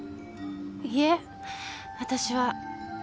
いえ私は。